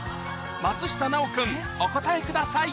松下奈緒君お答えください